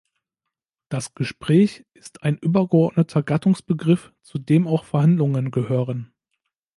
Das Gespräch ist ein übergeordneter Gattungsbegriff, zu dem auch Verhandlungen gehören.